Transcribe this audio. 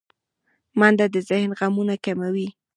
منډه د ذهن غمونه کموي